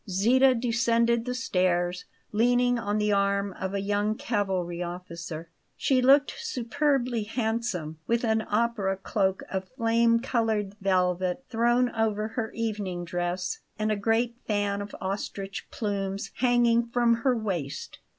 Zita descended the stairs, leaning on the arm of a young cavalry officer. She looked superbly handsome, with an opera cloak of flame coloured velvet thrown over her evening dress, and a great fan of ostrich plumes hanging from her waist.